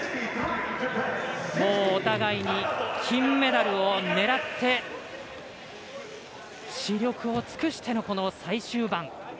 お互いに金メダルを狙って死力を尽くしての最終盤。